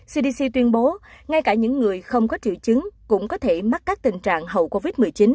cdc tuyên bố ngay cả những người không có triệu chứng cũng có thể mắc các tình trạng hậu covid một mươi chín